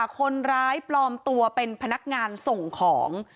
คนร้ายปลอมตัวเป็นพนักงานส่งของ